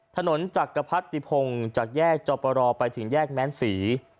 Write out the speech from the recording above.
ถนนจักรพัฒน์ติพงจากแยกจอปรอไปถึงแยกแม้นศรี